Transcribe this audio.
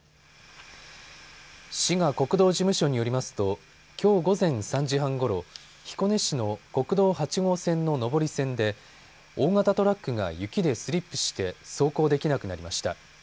滋賀国道事務所によりますときょう午前３時半ごろ、彦根市の国道８号線の上り線で大型トラックが雪でスリップして走行できなくなりました。